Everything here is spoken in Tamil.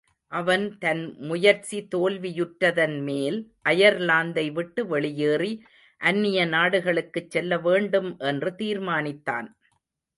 அவன் தன் முயற்சி தோல்வியுற்றதன்மேல் அயர்லாந்தை விட்டு வெளியேறி, அந்நிய நாடுகளுக்குச் செல்லவேண்டும் என்று தீர்மானித்தான்.